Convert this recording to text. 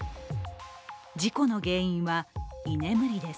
事故の原因は、居眠りです。